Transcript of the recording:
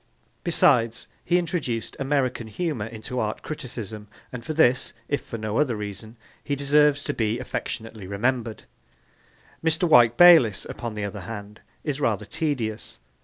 Besides, he introduced American humour into art criticism, and for this, if for no other reason, he deserves to be affectionately remembered. Mr. Wyke Bayliss, upon the other hand, is rather tedious.